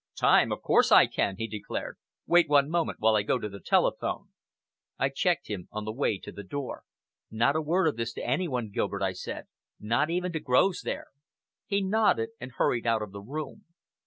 "Time! Of course I can," he declared. "Wait one moment while I go to the telephone." I checked him on the way to the door. "Not a word of this to any one, Gilbert," I said. "Not even to Groves there!" He nodded and hurried out of the room.